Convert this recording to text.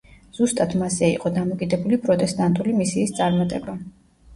ზუსტად მასზე იყო დამოკიდებული პროტესტანტული მისიის წარმატება.